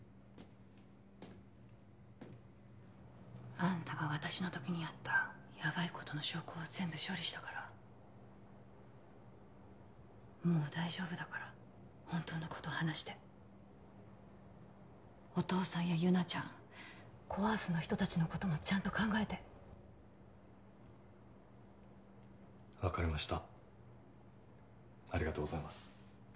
あんたが私のときにやったヤバいことの証拠は全部処理したからもう大丈夫だから本当のこと話してお父さんや優菜ちゃんコ・アースの人達のこともちゃんと考えて分かりました